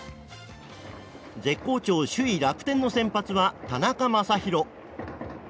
絶好調首位、楽天の先発は田中将大。